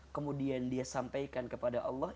kemudian dia sampaikan kepada allah